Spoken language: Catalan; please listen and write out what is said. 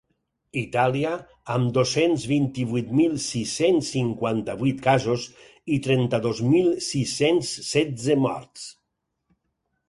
Itàlia, amb dos-cents vint-i-vuit mil sis-cents cinquanta-vuit casos i trenta-dos mil sis-cents setze morts.